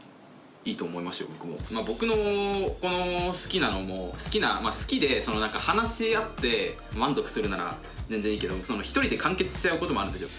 僕のこの好きなのも好きで話し合って満足するなら全然いいけど一人で完結しちゃうこともあるんですよ。